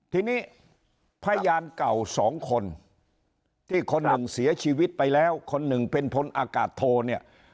ทีนี้พยานเก่าสองคนที่คนหนึ่งเสียชีวิตไปแล้วคนหนึ่งเป็นพลอากาศโทเนี่ย